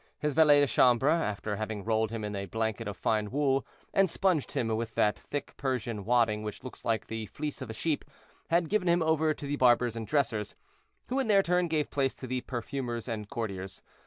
His valet de chambre, after having rolled him in a blanket of fine wool, and sponged him with that thick Persian wadding which looks like the fleece of a sheep, had given him over to the barbers and dressers, who in their turn gave place to the perfumers and courtiers.